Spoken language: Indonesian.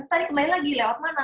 tadi kembali lagi lewat mana